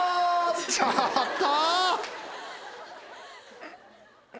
ちょっと！